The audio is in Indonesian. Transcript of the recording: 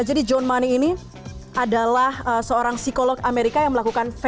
jadi john money ini adalah seorang psikolog amerika yang melakukan fedofil